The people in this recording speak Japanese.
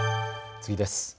次です。